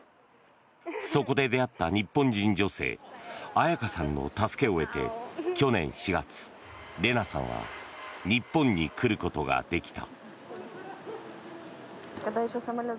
そこで出会った日本人女性綾香さんの助けを得て去年４月、レナさんは日本に来ることができた。